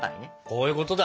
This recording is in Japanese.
こういうことだ。